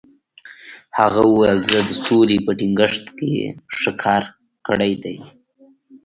هغه وویل، زه د سولې په ټینګښت کې ښه کار کړی دی.